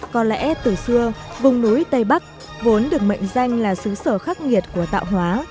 có lẽ từ xưa vùng núi tây bắc vốn được mệnh danh là sứ sở khắc nghiệt của tạo hóa